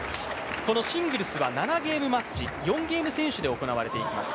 シングルスは７ゲームマッチ、４ゲーム先取で行われていきます。